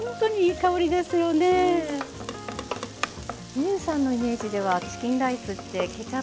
望結さんのイメージではチキンライスってケチャップだったり？